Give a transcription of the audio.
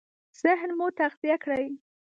ذهن مو تغذيه کړئ!